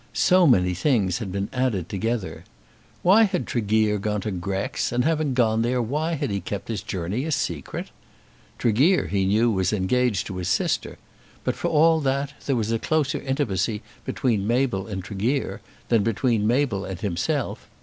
So many things had been added together! Why had Tregear gone to Grex, and having gone there why had he kept his journey a secret? Tregear he knew was engaged to his sister; but for all that, there was a closer intimacy between Mabel and Tregear than between Mabel and himself.